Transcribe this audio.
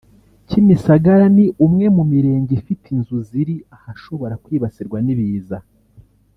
Kimisagara ni umwe mu mirenge ifite inzu ziri ahashobora kwibasirwa n’ibiza